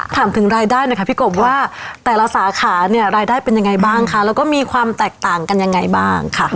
ถามถึงรายได้หน่อยค่ะพี่กบว่าแต่ละสาขาเนี่ยรายได้เป็นยังไงบ้างคะแล้วก็มีความแตกต่างกันยังไงบ้างค่ะ